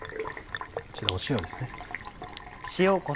こちら塩ですね。